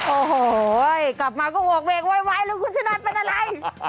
โอ้โหกลับมาก็โหกเวกโวยวายแล้วคุณชนะเป็นอะไร